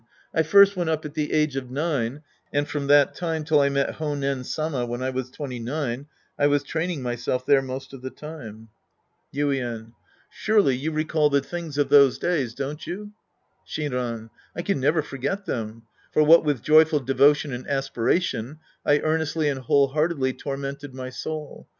I first went up at the age of nine, and from that time till I met Honcn Sama when I was twenty nine, I was training myself there most of the time. 70 The Priest and His Disciples Act II Yuien. Surely you recall the things of those days, don't you ? Shinran. I can never forget them. For what with youthful devotion and aspiration, I earnestly and whole heartedly tormented my soul.